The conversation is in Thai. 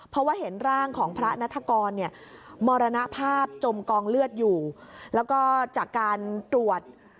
เพราะว่าเห็นร่างของพระนัฐกรเนี่ยมรณภาพจมกองเลือดอยู่แล้วก็จากการตรวจ